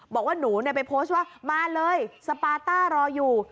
บอกว่าหนูไปโพสต์ว่ามาเลยสปาต้ารออยู่